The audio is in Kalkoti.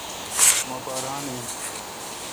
مہ پا ران این۔